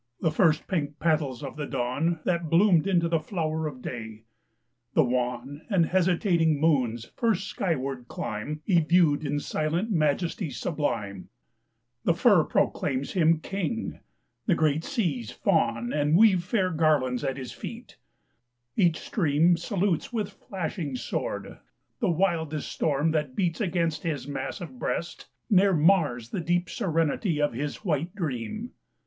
The first pink petals of the dawn That bloomed into the flower of day ; the wan And hesitating moon's first skyward climb He viewed in silent majesty sublime ; The fir proclaims him king, the great seas fawn And weave fair garlands at his feet ; each stream Salutes with flashing sword; the wildest storm That beats against his massive breast ne'er mars The deep serenity of his white dream.